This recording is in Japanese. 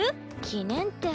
記念って。